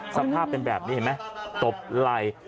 สภาพเป็นแบบนี้เห็นไหมตบไหล่